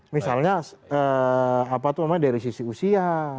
misalnya dari sisi usia